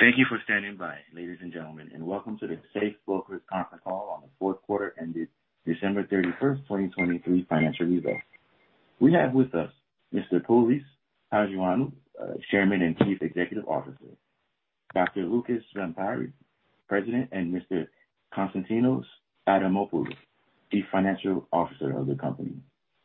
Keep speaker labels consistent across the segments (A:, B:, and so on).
A: Thank you for standing by, ladies and gentlemen, and welcome to the Safe Bulkers Conference Call on the Fourth Quarter ended December 31st, 2023, financial review. We have with us Mr. Polys Hajioannou, Chairman and Chief Executive Officer, Dr. Loukas Barmparis, President, and Mr. Konstantinos Adamopoulos, Chief Financial Officer of the company.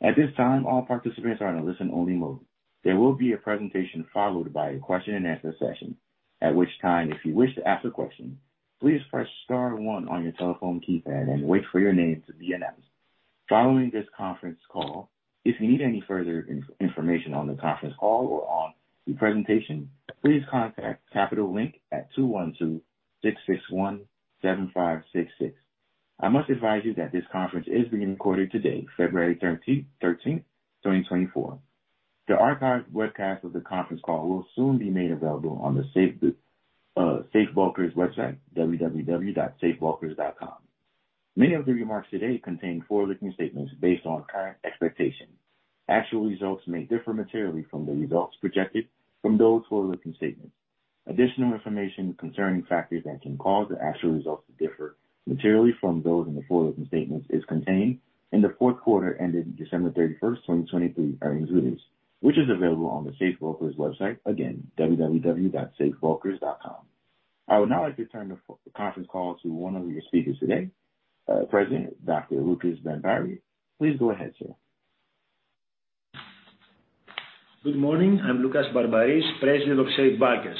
A: At this time, all participants are in a listen-only mode. There will be a presentation followed by a question-and-answer session, at which time, if you wish to ask a question, please press star one on your telephone keypad and wait for your name to be announced. Following this conference call, if you need any further information on the conference call or on the presentation, please contact Capital Link at 212-661-7566. I must advise you that this conference is being recorded today, February 13th, 2024. The archived webcast of the conference call will soon be made available on the Safe Bulkers website, www.safebulkers.com. Many of the remarks today contain forward-looking statements based on current expectations. Actual results may differ materially from the results projected from those forward-looking statements. Additional information concerning factors that can cause the actual results to differ materially from those in the forward-looking statements is contained in the fourth quarter ended December 31st, 2023, earnings release, which is available on the Safe Bulkers website, again, www.safebulkers.com. I would now like to turn the conference call to one of your speakers today. President Dr. Loukas Barmparis, please go ahead, sir.
B: Good morning. I'm Loukas Barmparis, President of Safe Bulkers.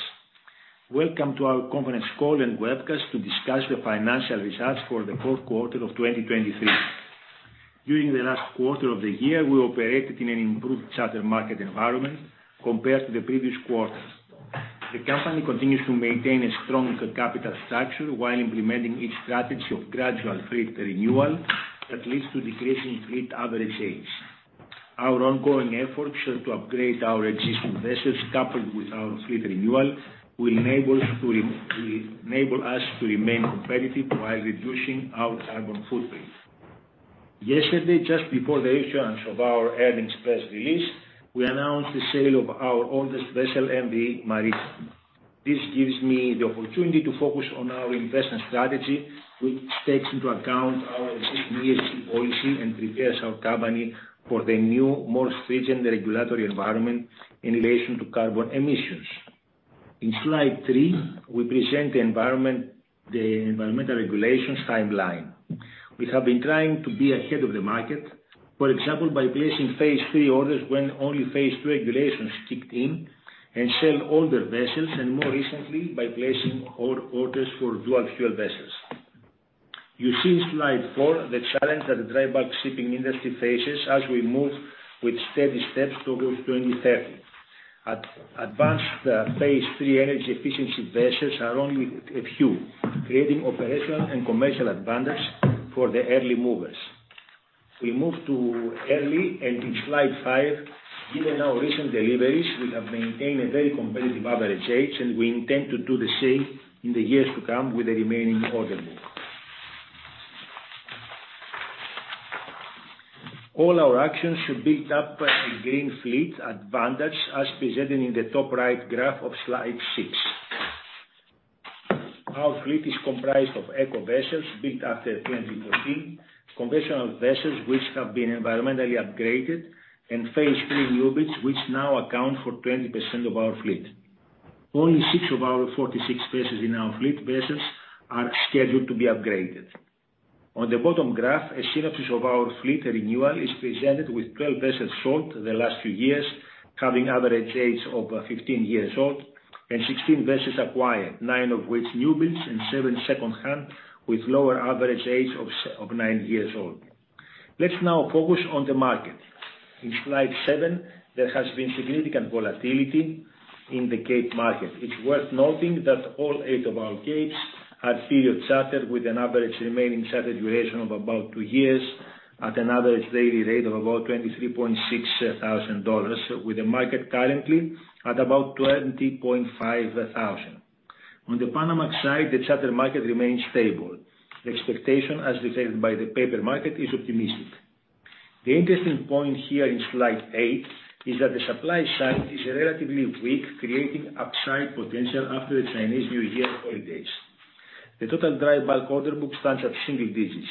B: Welcome to our conference call and webcast to discuss the financial results for the fourth quarter of 2023. During the last quarter of the year, we operated in an improved charter market environment compared to the previous quarter. The company continues to maintain a strong capital structure while implementing its strategy of gradual fleet renewal that leads to decreasing fleet average age. Our ongoing efforts to upgrade our existing vessels, coupled with our fleet renewal, will enable us to remain competitive while reducing our carbon footprint. Yesterday, just before the issuance of our earnings press release, we announced the sale of our oldest vessel, MV Maritsa. This gives me the opportunity to focus on our investment strategy, which takes into account our existing ESG policy and prepares our company for the new, more stringent regulatory environment in relation to carbon emissions. In slide three, we present the environmental regulations timeline. We have been trying to be ahead of the market, for example, by placing Phase III orders when only Phase II regulations kicked in, and sell older vessels, and more recently, by placing orders for dual-fuel vessels. You see in slide four the challenge that the dry bulk shipping industry faces as we move with steady steps towards 2030. Advanced Phase III energy efficiency vessels are only a few, creating operational and commercial advantages for the early movers. We move to early, and in slide five, given our recent deliveries, we have maintained a very competitive average age, and we intend to do the same in the years to come with the remaining order book. All our actions should build up a green fleet advantage, as presented in the top right graph of slide six. Our fleet is comprised of eco-vessels built after 2014, conventional vessels which have been environmentally upgraded, and Phase III newbuilds which now account for 20% of our fleet. Only six of our 46 vessels in our fleet are scheduled to be upgraded. On the bottom graph, a synopsis of our fleet renewal is presented with 12 vessels sold the last few years, having average ages of 15 years old, and 16 vessels acquired, nine of which newbuilds and seven second-hand with lower average ages of nine years old. Let's now focus on the market. In slide seven, there has been significant volatility in the Capesize market. It's worth noting that all eight of our Capesizes are period chartered, with an average remaining charter duration of about two years at an average daily rate of about $23.6 thousand, with the market currently at about $20.5 thousand. On the Panamax side, the charter market remains stable. The expectation, as reflected by the paper market, is optimistic. The interesting point here in Slide eight is that the supply side is relatively weak, creating upside potential after the Chinese New Year holidays. The total dry bulk order book stands at single digits.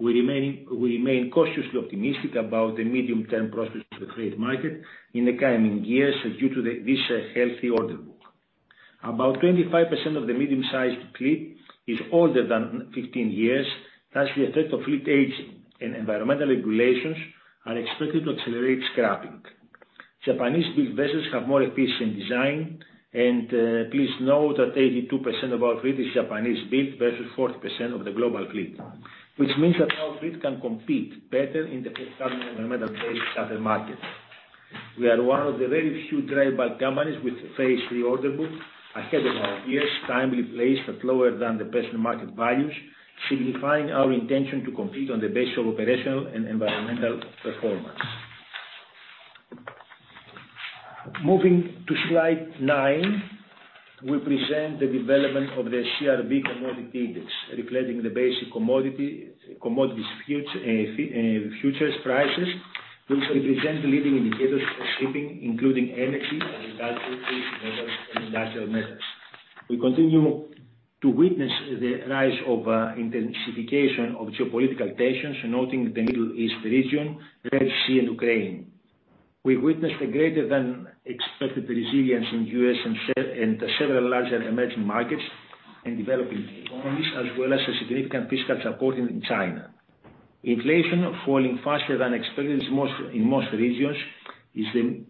B: We remain cautiously optimistic about the medium-term prospects of the trade market in the coming years due to this healthy order book. About 25% of the medium-sized fleet is older than 15 years, thus the effect of fleet aging and environmental regulations are expected to accelerate scrapping. Japanese-built vessels have more efficient design, and please note that 82% of our fleet is Japanese-built versus 40% of the global fleet, which means that our fleet can compete better in the carbon environmental-based charter market. We are one of the very few dry bulk companies with a Phase III order book ahead of our peers, timely placed at lower than the present market values, signifying our intention to compete on the basis of operational and environmental performance. Moving to slide nine, we present the development of the CRB Commodity Index, reflecting the basic commodities futures prices, which represent the leading indicators for shipping, including energy, agriculture, fishing methods, and industrial methods. We continue to witness the rise of intensification of geopolitical tensions, noting the Middle East region, Red Sea, and Ukraine. We witnessed a greater than expected resilience in the US and several larger emerging markets and developing economies, as well as significant fiscal support in China. Inflation, falling faster than expected in most regions, is in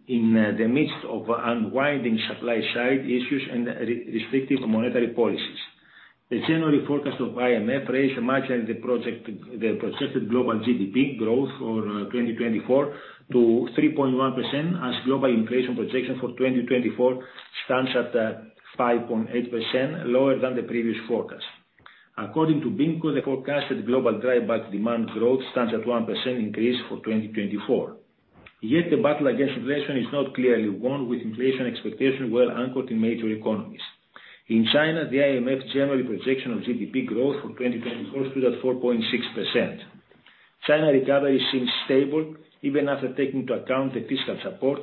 B: the midst of unwinding supply-side issues and restrictive monetary policies. The January forecast of IMF raised the margin of the projected global GDP growth for 2024 to 3.1%, as global inflation projection for 2024 stands at 5.8%, lower than the previous forecast. According to BIMCO, the forecasted global dry bulk demand growth stands at 1% increase for 2024. Yet the battle against inflation is not clearly won, with inflation expectations well anchored in major economies. In China, the IMF January projection of GDP growth for 2024 stood at 4.6%. China recovery seems stable even after taking into account the fiscal support,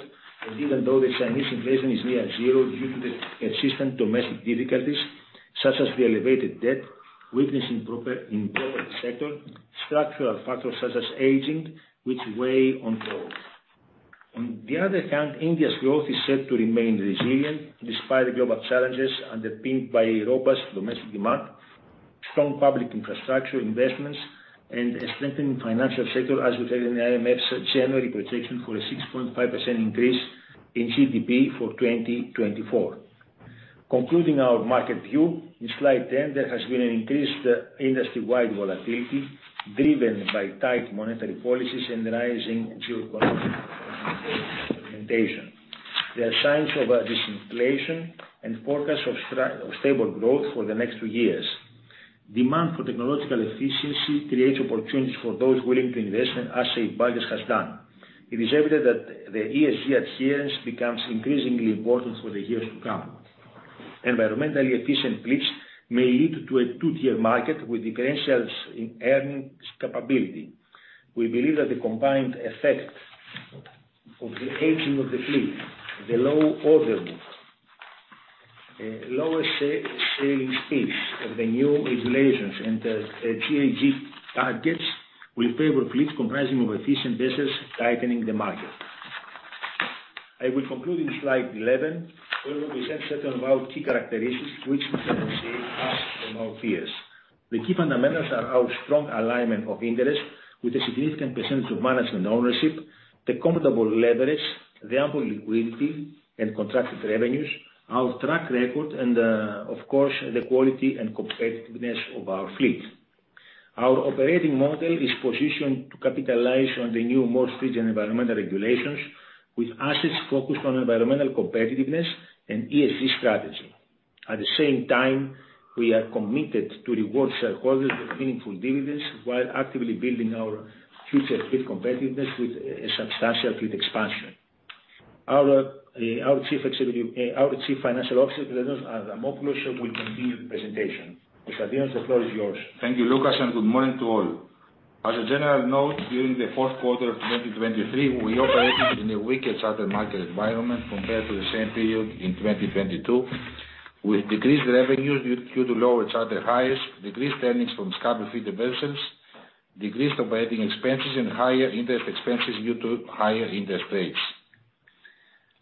B: and even though the Chinese inflation is near zero due to the persistent domestic difficulties such as the elevated debt, weakness in property sector, structural factors such as aging, which weigh on growth. On the other hand, India's growth is set to remain resilient despite global challenges underpinned by robust domestic demand, strong public infrastructure investments, and a strengthening financial sector, as reflected in the IMF's January projection for a 6.5% increase in GDP for 2024. Concluding our market view, in slide 10, there has been an increased industry-wide volatility driven by tight monetary policies and rising geoeconomic fragmentation. There are signs of disinflation and forecasts of stable growth for the next two years. Demand for technological efficiency creates opportunities for those willing to invest, as Safe Bulkers has done. It is evident that the ESG adherence becomes increasingly important for the years to come. Environmentally efficient fleets may lead to a two-tier market with differentials in earnings capability. We believe that the combined effect of the aging of the fleet, the low order book, lower sailing speeds of the new regulations, and GHG targets will favor fleets comprising efficient vessels tightening the market. I will conclude in slide 11 where we will be centered on key characteristics which concern us and our peers. The key fundamentals are our strong alignment of interests with a significant percentage of management ownership, the comfortable leverage, the ample liquidity and contracted revenues, our track record, and, of course, the quality and competitiveness of our fleet. Our operating model is positioned to capitalize on the new, more stringent environmental regulations with assets focused on environmental competitiveness and ESG strategy. At the same time, we are committed to reward shareholders with meaningful dividends while actively building our future fleet competitiveness with a substantial fleet expansion. Our Chief Financial Officer, Konstantinos Adamopoulos, will continue the presentation. Mr. Adamopoulos, the floor is yours.
C: Thank you, Loukas, and good morning to all. As a general note, during the fourth quarter of 2023, we operated in a weaker charter market environment compared to the same period in 2022, with decreased revenues due to lower charter rates, decreased earnings from scrubber-fitted vessels, decreased operating expenses, and higher interest expenses due to higher interest rates.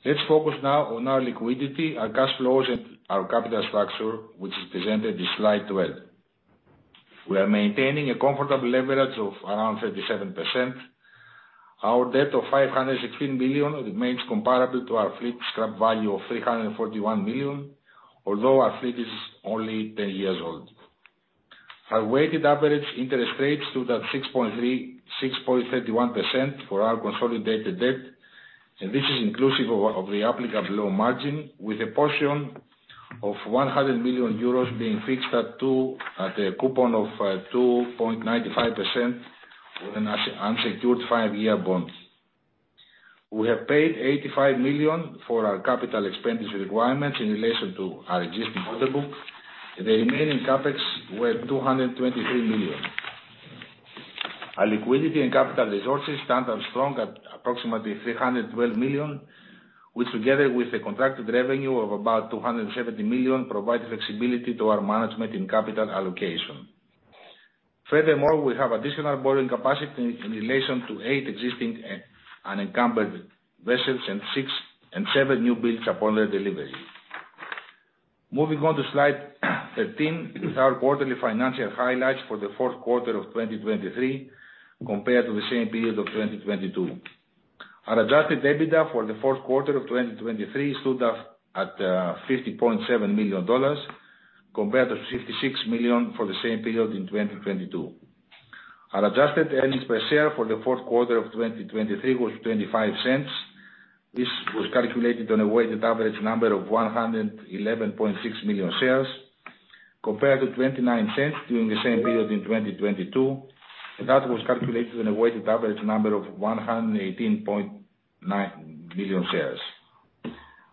C: Let's focus now on our liquidity, our cash flows, and our capital structure, which is presented in slide 12. We are maintaining a comfortable leverage of around 37%. Our debt of $516 million remains comparable to our fleet book value of $341 million, although our fleet is only 10 years old. Our weighted average interest rates stood at 6.3% for our consolidated debt, and this is inclusive of the applicable loan margin, with a portion of 100 million euros being fixed at a coupon of 2.95% with an unsecured five-year bond. We have paid $85 million for our capital expenditure requirements in relation to our existing order book. The remaining CapEx was $223 million. Our liquidity and capital resources stand strong at approximately $312 million, which, together with the contracted revenue of about $270 million, provide flexibility to our management in capital allocation. Furthermore, we have additional borrowing capacity in relation to eight existing unencumbered vessels and seven new builds upon their delivery. Moving on to slide 13 with our quarterly financial highlights for the fourth quarter of 2023 compared to the same period of 2022. Our adjusted EBITDA for the fourth quarter of 2023 stood at $50.7 million compared to $56 million for the same period in 2022. Our adjusted earnings per share for the fourth quarter of 2023 was $0.25. This was calculated on a weighted average number of 111.6 million shares compared to $0.29 during the same period in 2022, and that was calculated on a weighted average number of 118.9 million shares.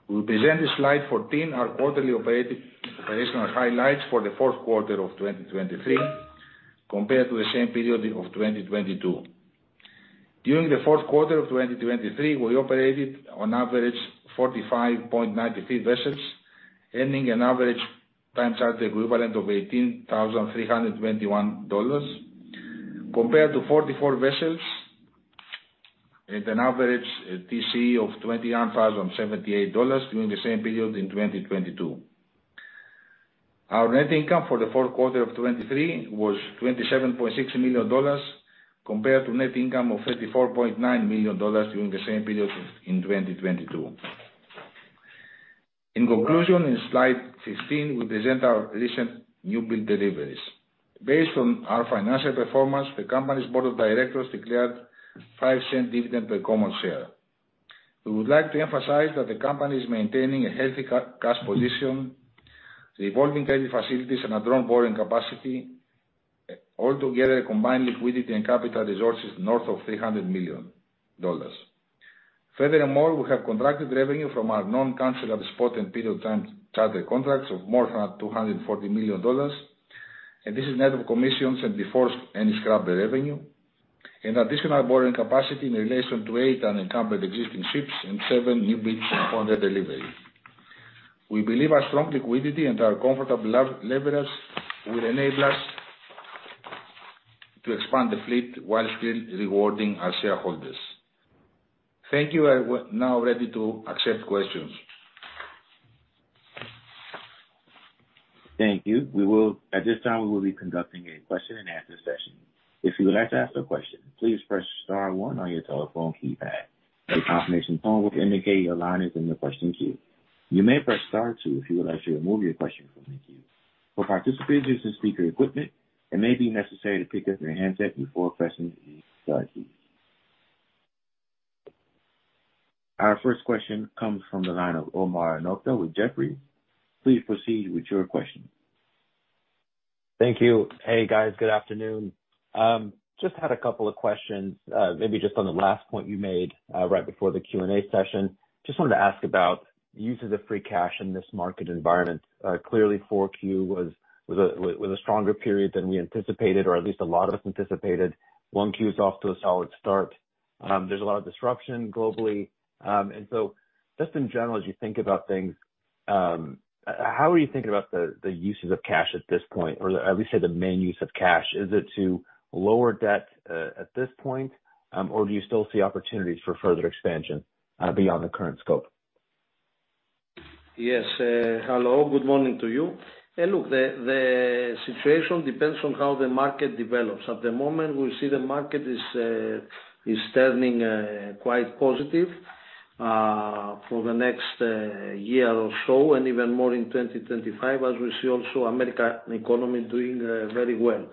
C: We present in slide 14 our quarterly operational highlights for the fourth quarter of 2023 compared to the same period of 2022. During the fourth quarter of 2023, we operated on average 45.93 vessels, earning an average time charter equivalent of $18,321 compared to 44 vessels and an average TCE of $21,078 during the same period in 2022. Our net income for the fourth quarter of 2023 was $27.6 million compared to net income of $34.9 million during the same period in 2022. In conclusion, in slide 15, we present our recent new build deliveries. Based on our financial performance, the company's board of directors declared $0.05 dividend per common share. We would like to emphasize that the company is maintaining a healthy cash position, revolving credit facilities, and a drawn borrowing capacity, altogether combining liquidity and capital resources north of $300 million. Furthermore, we have contracted revenue from our non-canceled spot and period time-charter contracts of more than $240 million, and this is net of commissions and before any scrubber revenue, and additional borrowing capacity in relation to 8 unencumbered existing ships and 7 new builds upon their delivery. We believe our strong liquidity and our comfortable leverage will enable us to expand the fleet while still rewarding our shareholders. Thank you. We are now ready to accept questions.
A: Thank you. At this time, we will be conducting a question-and-answer session. If you would like to ask a question, please press star one on your telephone keypad. The confirmation phone will indicate your line is in the question queue. You may press star two if you would like to remove your question from the queue. For participants, use the speaker equipment. It may be necessary to pick up your handset before pressing the star key. Our first question comes from the line of Omar Nokta with Jefferies. Please proceed with your question.
D: Thank you. Hey, guys. Good afternoon. Just had a couple of questions, maybe just on the last point you made right before the Q&A session. Just wanted to ask about the uses of free cash in this market environment. Clearly, 4Q was a stronger period than we anticipated, or at least a lot of us anticipated. 1Q is off to a solid start. There's a lot of disruption globally. And so just in general, as you think about things, how are you thinking about the uses of cash at this point, or at least say the main use of cash? Is it to lower debt at this point, or do you still see opportunities for further expansion beyond the current scope?
E: Hello. Good morning to you. Look, the situation depends on how the market develops. At the moment, we see the market is turning quite positive for the next year or so and even more in 2025, as we see also the American economy doing very well.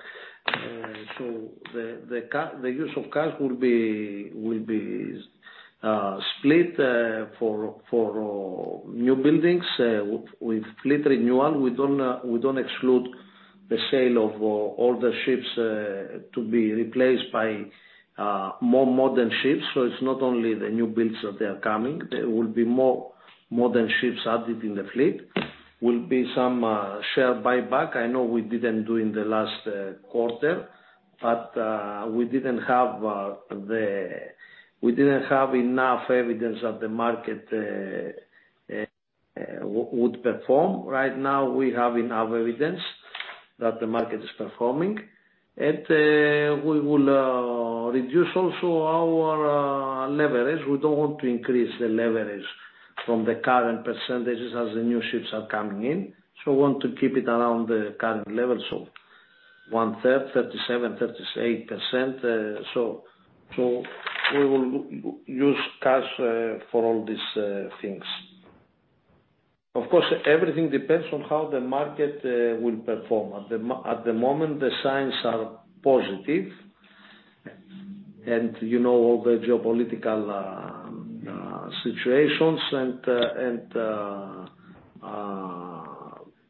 E: So the use of cash will be split for new buildings with fleet renewal. We don't exclude the sale of older ships to be replaced by more modern ships. So it's not only the new builds that are coming. There will be more modern ships added in the fleet. There will be some share buyback. I know we didn't do in the last quarter, but we didn't have enough evidence that the market would perform. Right now, we have enough evidence that the market is performing. And we will reduce also our leverage. We don't want to increase the leverage from the current percentages as the new ships are coming in. So we want to keep it around the current level, so one-third, 37%-38%. So we will use cash for all these things. Of course, everything depends on how the market will perform. At the moment, the signs are positive, and all the geopolitical situations and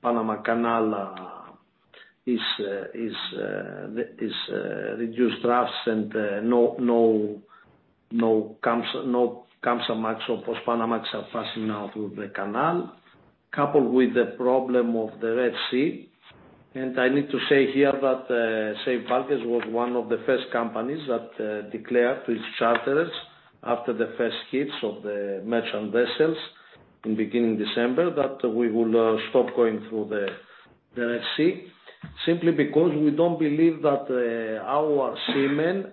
E: Panama Canal is reduced drafts and no Kamsarmax or Post-Panamax are passing now through the canal, coupled with the problem of the Red Sea. I need to say here that Safe Bulkers was one of the first companies that declared to its charterers after the first hits of the merchant vessels in beginning December that we will stop going through the Red Sea simply because we don't believe that our seamen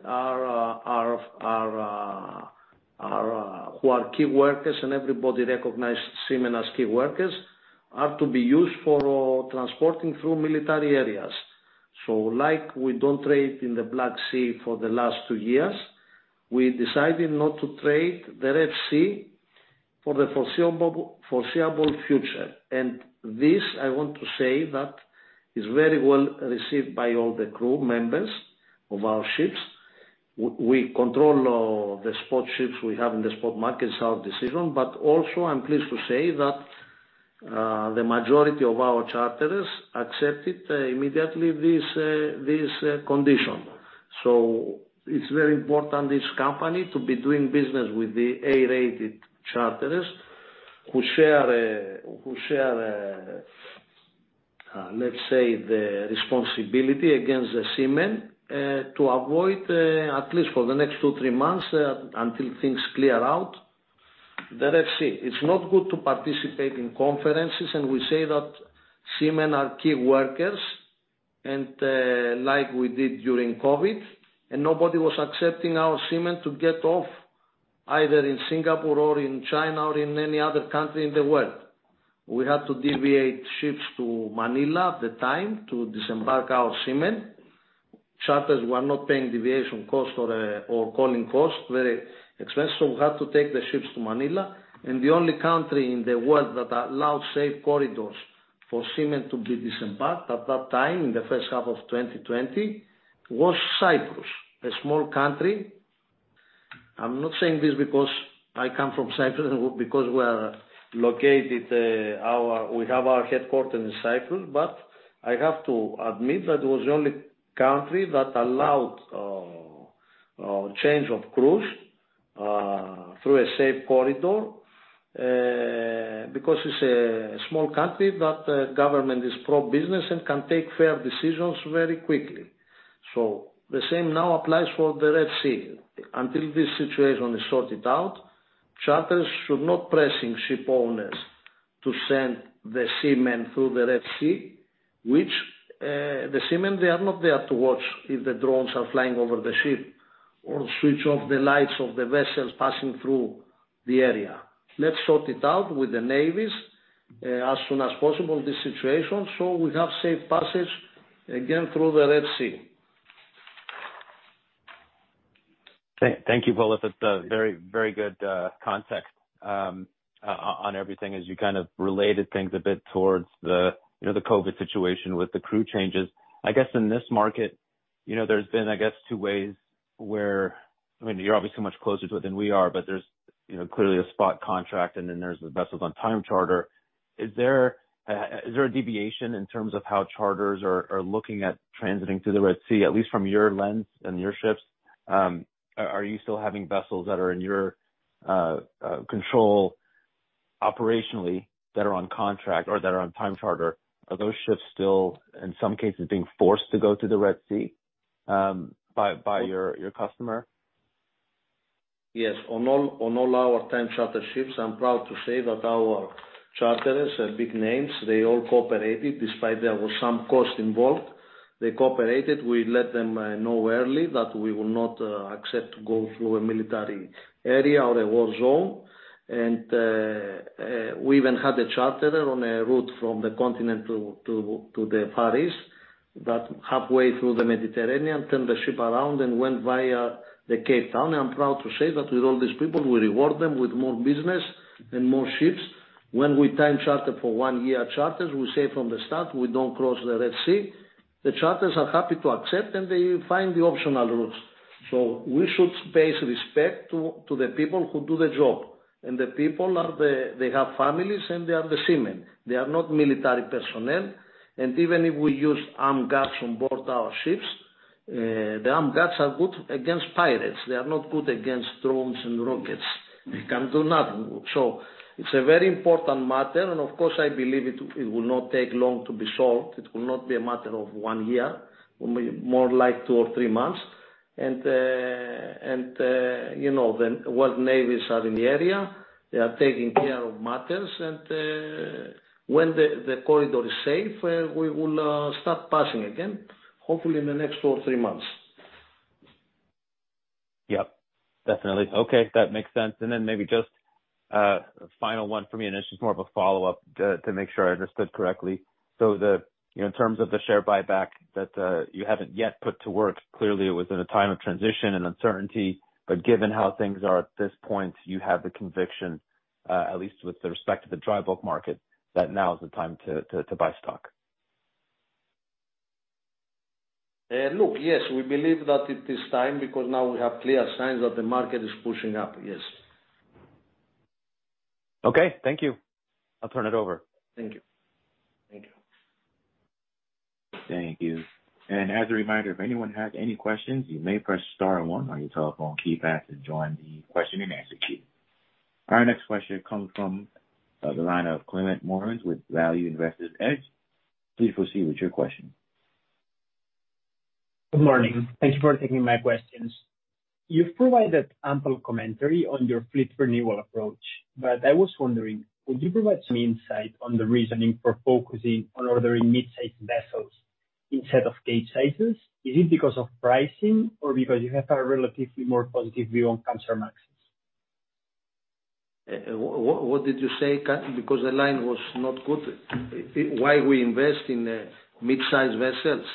E: who are key workers and everybody recognizes seamen as key workers are to be used for transporting through military areas. So like we don't trade in the Black Sea for the last two years, we decided not to trade the Red Sea for the foreseeable future. And this, I want to say, is very well received by all the crew members of our ships. We control the spot ships we have in the spot market. It's our decision. But also, I'm pleased to say that the majority of our charterers accepted immediately this condition. So it's very important, this company, to be doing business with the A-rated charterers who share, let's say, the responsibility against the seamen to avoid, at least for the next 2-3 months until things clear out, the Red Sea. It's not good to participate in conferences, and we say that seamen are key workers and like we did during COVID, and nobody was accepting our seamen to get off either in Singapore or in China or in any other country in the world. We had to deviate ships to Manila at the time to disembark our seamen. Charters were not paying deviation cost or calling cost, very expensive. So we had to take the ships to Manila. And the only country in the world that allowed safe corridors for seamen to be disembarked at that time, in the first half of 2020, was Cyprus, a small country. I'm not saying this because I come from Cyprus and because we are located we have our headquarters in Cyprus. But I have to admit that it was the only country that allowed change of crews through a safe corridor because it's a small country that government is pro-business and can take fair decisions very quickly. So the same now applies for the Red Sea. Until this situation is sorted out, charters should not press ship owners to send the seamen through the Red Sea, which the seamen, they are not there to watch if the drones are flying over the ship or switch off the lights of the vessels passing through the area. Let's sort it out with the navies as soon as possible, this situation, so we have safe passage again through the Red Sea.
D: Thank you, Polys. That's very, very good context on everything as you kind of related things a bit towards the COVID situation with the crew changes. I guess in this market, there's been, I guess, two ways where I mean, you're obviously much closer to it than we are, but there's clearly a spot contract, and then there's the vessels on time-charter. Is there a deviation in terms of how charters are looking at transiting through the Red Sea, at least from your lens and your ships? Are you still having vessels that are in your control operationally that are on contract or that are on time-charter? Are those ships still, in some cases, being forced to go through the Red Sea by your customer?
E: Yes. On all our time-charter ships, I'm proud to say that our charterers, big names, they all cooperated despite there was some cost involved. They cooperated. We let them know early that we will not accept to go through a military area or a war zone. And we even had a charterer on a route from the continent to the Far East that halfway through the Mediterranean turned the ship around and went via the Cape Town. And I'm proud to say that with all these people, we reward them with more business and more ships. When we time-charter for one-year charters, we say from the start, "We don't cross the Red Sea." The charters are happy to accept, and they find the optional routes. So we should pay respect to the people who do the job. And the people, they have families, and they are the seamen. They are not military personnel. Even if we use armed guards on board our ships, the armed guards are good against pirates. They are not good against drones and rockets. They can't do nothing. So it's a very important matter. Of course, I believe it will not take long to be solved. It will not be a matter of one year, more like two or three months. The world navies are in the area. They are taking care of matters. And when the corridor is safe, we will start passing again, hopefully in the next two or three months.
D: Definitely. Okay. That makes sense. And then maybe just a final one for me, and it's just more of a follow-up to make sure I understood correctly. So in terms of the share buyback that you haven't yet put to work, clearly, it was in a time of transition and uncertainty. But given how things are at this point, you have the conviction, at least with respect to the dry bulk market, that now is the time to buy stock.
E: Look, yes, we believe that it is time because now we have clear signs that the market is pushing up. Yes.
D: Okay. Thank you. I'll turn it over.
E: Thank you. Thank you.
A: Thank you. As a reminder, if anyone has any questions, you may press star one on your telephone keypad to join the question-and-answer queue. Our next question comes from the line of Climent Molins with Value Investor's Edge. Please proceed with your question.
F: Good morning. Thank you for taking my questions. You've provided ample commentary on your fleet renewal approach, but I was wondering, would you provide some insight on the reasoning for focusing on ordering midsize vessels instead of Capesize? Is it because of pricing or because you have a relatively more positive view on Kamsarmaxes?
E: What did you say? Because the line was not good. Why we invest in midsize vessels?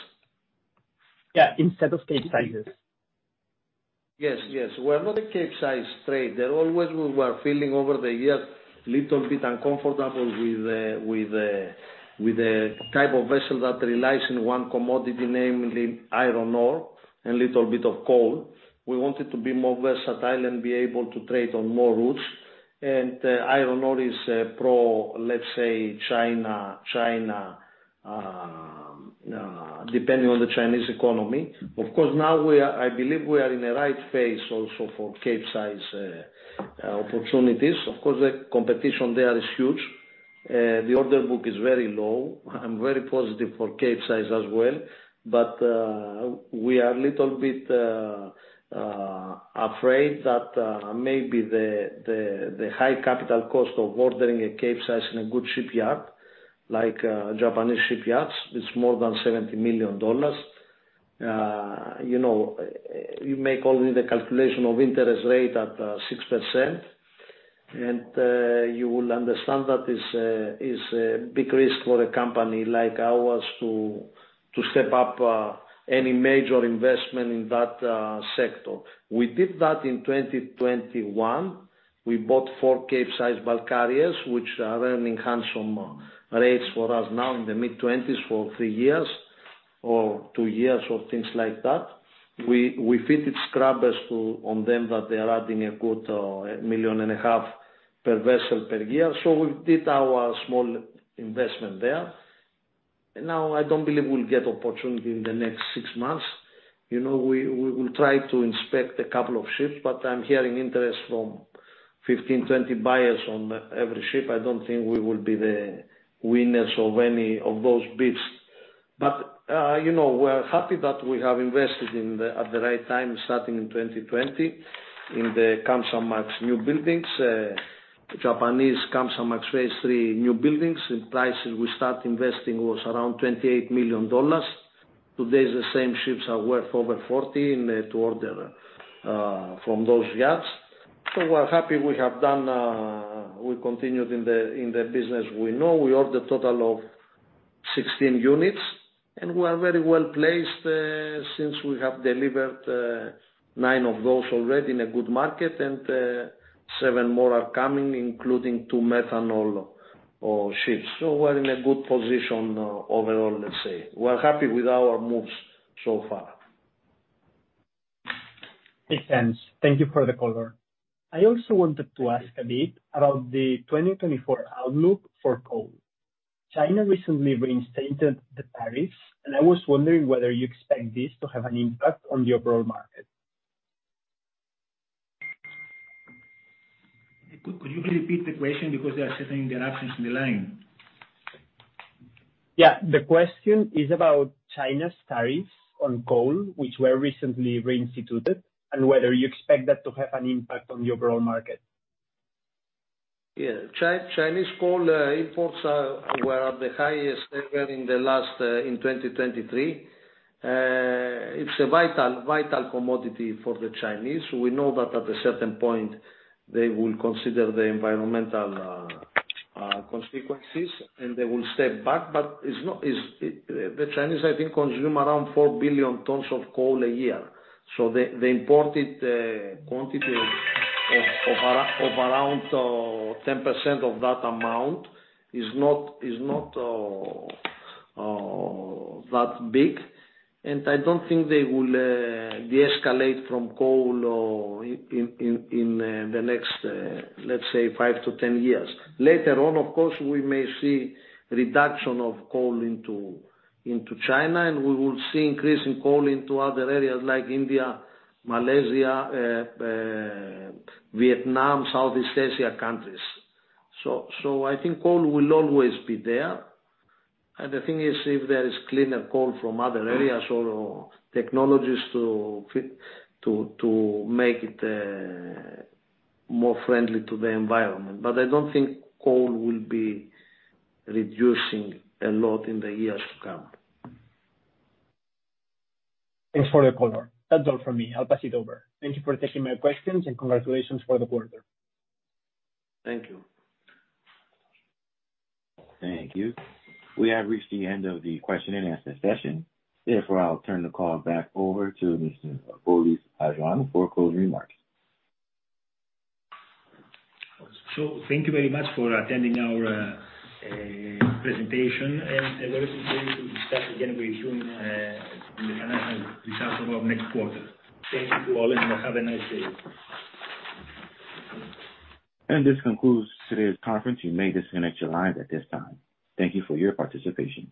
F: Yeah. Instead of Capesizes.
E: Yes. Yes. We are not a Capesize trade. There always were feeling over the year a little bit uncomfortable with the type of vessel that relies on one commodity, namely iron ore and a little bit of coal. We wanted to be more versatile and be able to trade on more routes. Iron ore is pro, let's say, China, depending on the Chinese economy. Of course, now, I believe we are in the right phase also for Capesize opportunities. Of course, the competition there is huge. The order book is very low. I'm very positive for Capesize as well, but we are a little bit afraid that maybe the high capital cost of ordering a Capesize in a good shipyard, like Japanese shipyards, it's more than $70 million. You make only the calculation of interest rate at 6%, and you will understand that it's a big risk for a company like ours to step up any major investment in that sector. We did that in 2021. We bought 4 Capesize bulk carriers, which are earning handsome rates for us now in the mid-$20s for three years or two years or things like that. We fitted scrubbers on them that they are adding a good $1.5 million per vessel per year. So we did our small investment there. Now, I don't believe we'll get opportunity in the next six months. We will try to inspect a couple of ships, but I'm hearing interest from 15-20 buyers on every ship. I don't think we will be the winners of any of those bids. But we are happy that we have invested at the right time, starting in 2020, in the Kamsarmax newbuilds, Japanese Kamsarmax Phase III newbuilds. The prices we start investing was around $28 million. Today, the same ships are worth over $40 million to order from those yards. So we are happy we have done we continued in the business we know. We ordered a total of 16 units, and we are very well placed since we have delivered nine of those already in a good market, and seven more are coming, including two methanol ships. So we are in a good position overall, let's say. We are happy with our moves so far.
F: Makes sense. Thank you for the color. I also wanted to ask a bit about the 2024 outlook for coal. China recently reinstated the tariffs, and I was wondering whether you expect this to have an impact on the overall market.
E: Could you please repeat the question because there are certain interruptions in the line?
F: Yeah. The question is about China's tariffs on coal, which were recently reinstituted, and whether you expect that to have an impact on the overall market.
E: Yeah. Chinese coal imports were at the highest ever in 2023. It's a vital commodity for the Chinese. We know that at a certain point, they will consider the environmental consequences, and they will step back. But the Chinese, I think, consume around 4 billion tons of coal a year. So the imported quantity of around 10% of that amount is not that big. And I don't think they will de-escalate from coal in the next, let's say, 5-10 years. Later on, of course, we may see reduction of coal into China, and we will see increasing coal into other areas like India, Malaysia, Vietnam, Southeast Asia countries. So I think coal will always be there. And the thing is if there is cleaner coal from other areas or technologies to make it more friendly to the environment. But I don't think coal will be reducing a lot in the years to come.
F: Thanks for the color. That's all from me. I'll pass it over. Thank you for taking my questions, and congratulations for the quarter.
E: Thank you.
A: Thank you. We have reached the end of the question-and-answer session. Therefore, I'll turn the call back over to Mr. Polys Hajioannou for closing remarks.
E: Thank you very much for attending our presentation, and it will be interesting to discuss again with you in the financial results of our next quarter. Thank you to all, and have a nice day.
A: This concludes today's conference. You may disconnect your lines at this time. Thank you for your participation.